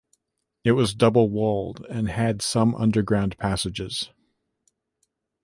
It was double-walled and had some underground passages.